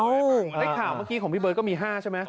ในข่าวเมื่อกี้ของพี่เบิร์ตก็มี๕ใช่ไหม